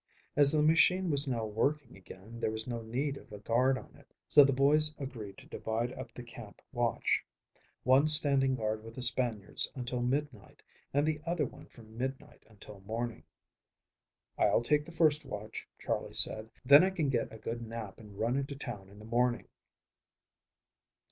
As the machine was now working again, there was no need of a guard on it, so the boys agreed to divide up the camp watch. One standing guard with the Spaniards until midnight, and the other one from midnight until morning. "I'll take the first watch," Charley said, "then I can get a good nap and run into town in the morning."